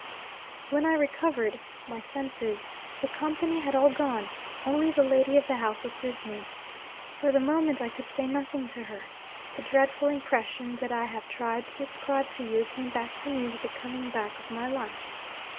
When I recovered my senses, the company had all gone; only the lady of the house was with me. For the moment I could say nothing to her; the dreadful impression that I have tried to describe to you came back to me with the coming back of my life.